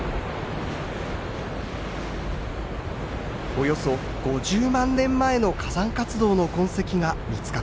およそ５０万年前の火山活動の痕跡が見つかっています。